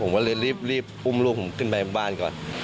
ผมก็เรียบรีบรีบอุ้มลุบผมขึ้นไปบ้านก่อน